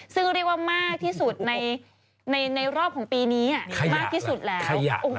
ซึ่งเรียกว่ามากที่สุดในรอบของปีนี้อ่ะ